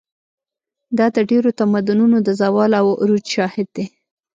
دا د ډېرو تمدنونو د زوال او عروج شاهد دی.